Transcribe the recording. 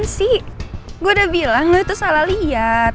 gak sih gue udah bilang lo itu salah liat